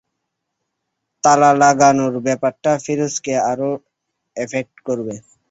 তালা লাগানোর ব্যাপারটা ফিরোজকে আরো এফেক্ট করবে।